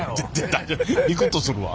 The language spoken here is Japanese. ビクっとするわ。